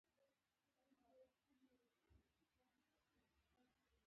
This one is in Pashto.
هاغلته کمپیوټرونه دي.